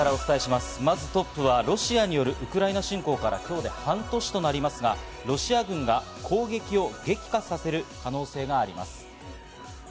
まずトップはロシアによるウクライナ侵攻から今日で半年になりますが、ロシア軍が攻撃を激化する可能性があります。